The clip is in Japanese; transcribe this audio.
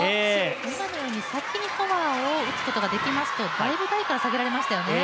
今のように先にフォアを打つことができますと、だいぶ台から下げられましたよね。